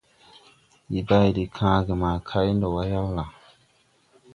Ndi bay de kããge ma kay ndɔ wà yawla?